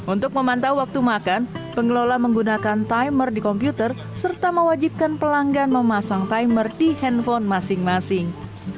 untuk memantau waktu makan pengelola menggunakan timer di komputer serta mewajibkan pelanggan memasang timer di handphone masing masing